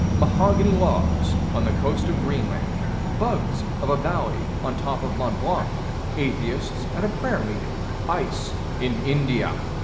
Mahogany logs on the coast of Greenland; bugs of a valley on the top of Mt. Blanc; atheists at a prayer meeting; ice in India.